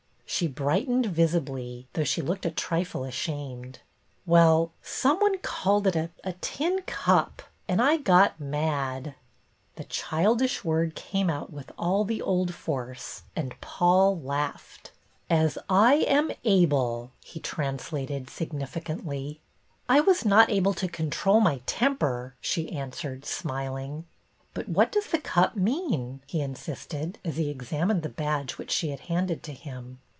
She brightened visibly, though she looked a trifle ashamed. "Well, some one called it a — a tin cup, and I got — mad." The childish word came out with all the old force, and Paul laughed. 2i8 BETTY BAIRD '"As I am able,' " he translated signifi cantly. " I was not able to control my temper," she answered, smiling. " But what does the cup mean .?" he in sisted, as he examined the badge which she had handed to him.